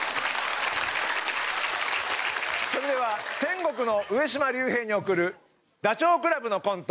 それでは天国の上島竜兵に贈るダチョウ倶楽部のコント